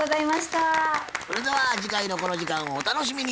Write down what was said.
それでは次回のこの時間をお楽しみに。